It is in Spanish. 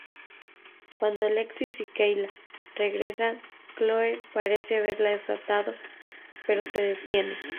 Cuando Alexis y Kayla regresan, Chloe parece haberla desatado pero se detiene.